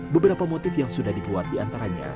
beberapa motif yang sudah dibuat di antaranya